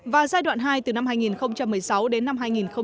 và giai đoạn hai từ năm hai nghìn một mươi sáu đến năm hai nghìn hai mươi